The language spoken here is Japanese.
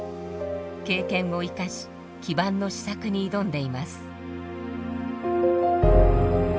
経験を生かし基板の試作に挑んでいます。